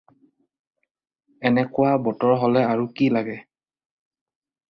এনেকুৱা বতৰ হ'লে আৰু কি লাগে?